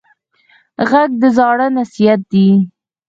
غږ د زاړه نصیحت دی